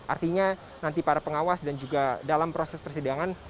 artinya nanti para pengawas dan juga dalam proses persidangan